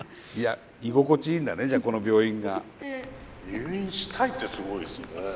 入院したいってすごいですね。